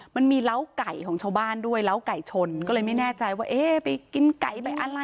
มันมีเล้าไก่ของชาวบ้านด้วยเล้าไก่ชนก็เลยไม่แน่ใจว่าเอ๊ะไปกินไก่ไปอะไร